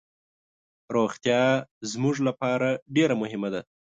روغتیا زموږ لپاره ډیر مهمه ده.